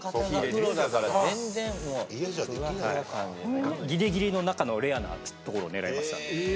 ギリギリの中のレアなところを狙いました。